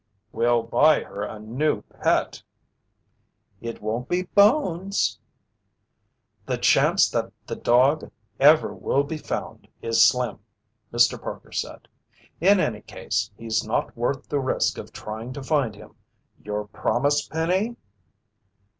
"We'll buy her a new pet." "It won't be Bones." "The chance that the dog ever will be found is slim," Mr. Parker said. "In any case, he's not worth the risk of trying to find him. Your promise, Penny?"